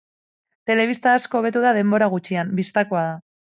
Telebista asko hobetu da denbora gutxian, bistakoa da.